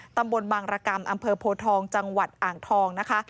ตหวังกรรมอโภทองจอ่างทองนะคะ